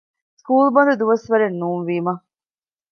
ސްކޫލް ބަންދު ދުވަސްވަރެއް ނޫންވީމަ